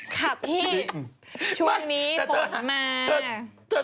ค่ะพี่ช่วงนี้ฝนมา